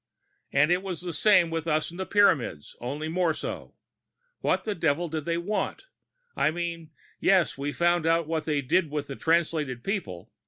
"And it was the same with us and the Pyramids, only more so. What the devil did they want? I mean, yes, we found out what they did with the Translated people.